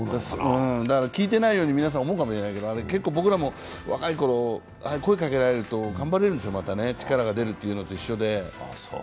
だから聞いていないように皆さん思うかも知れないけど僕らも若いころ声かけられると頑張れるんですよ、力が出るというのと一緒で。